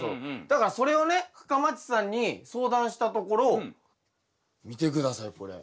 だからそれをね深町さんに相談したところ見て下さいこれ。